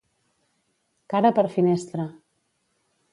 Cara per finestra.